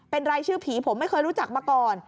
เป็นรายชื่อผีผมไม่เคยรู้จักมาก่อน